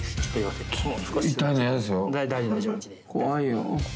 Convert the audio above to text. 怖いよ。